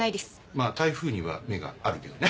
まあ台風には目があるけどね。